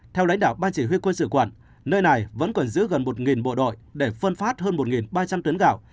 theo lãnh đạo ban chỉ huy quân sự quận nơi này vẫn còn giữ gần một bộ đội để phân phát hơn một ba trăm linh tấn gạo